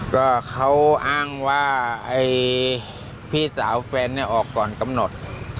ก็เขาอ้างว่าพี่สาวแฟนเนี่ยออกก่อนกำหนด